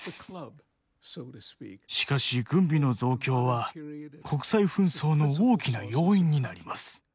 しかし軍備の増強は国際紛争の大きな要因になります。